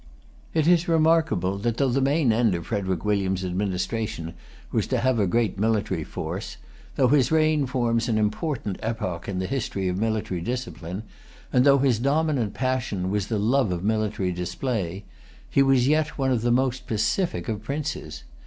It is remarkable that though the main end of Frederic William's administration was to have a great military force, though his reign forms an important epoch in the history of military discipline, and though his dominant passion was the love of military display, he was yet one of the most pacific of princes.